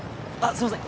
すいません